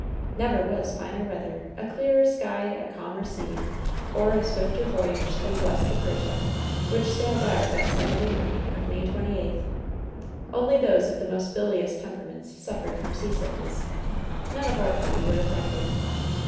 Never was finer weather, a clearer sky, a calmer sea, or a swifter voyage than blessed the Persia, which sailed on that Saturday morning of May 28th. Only those of the most bilious temperaments suffered from seasickness. None of our party were affected.